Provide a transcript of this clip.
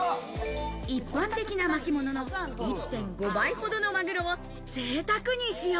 一般的な巻物の１．５倍ほどのマグロを贅沢に使用。